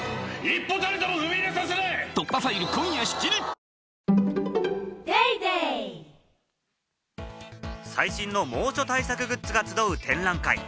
「ビオレ」最新の猛暑対策グッズが集う展覧会。